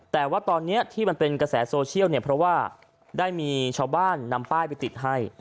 แต่ว่าตอนนี้ที่มันเป็นกระแสโซเชียลเนี่ยเพราะว่าได้มีชาวบ้านนำป้ายไปติดให้